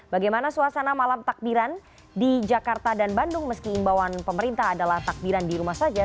bagaimana suasana malam takbiran di jakarta dan bandung meski imbauan pemerintah adalah takbiran di rumah saja